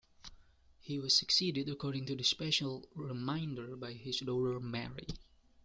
He was succeeded according to the special remainder by his daughter Mary.